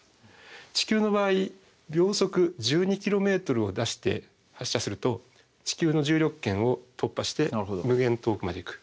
地球の場合秒速１２ｋｍを出して発射すると地球の重力圏を突破して無限に遠くまで行く。